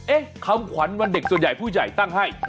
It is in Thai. คำขวัญวันเด็กส่วนใหญ่ผู้ใหญ่ตั้งให้